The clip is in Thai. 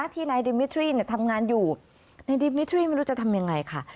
ที่นายดิมิทรี่ทำงานอยู่ในดิมิทรี่ไม่รู้จะทำยังไงค่ะ